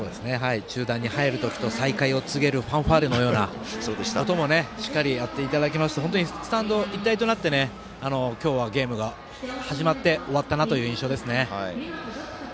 中断に入る時と再開を告げるファンファーレのような音もしっかりやっていただきまして本当にスタンド一体となって今日はゲームが始まって終わったなという印象ですね。